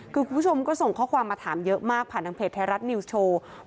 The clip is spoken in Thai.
คือคุณผู้ชมก็ส่งข้อความมาถามเยอะมากผ่านทางเพจไทยรัฐนิวส์โชว์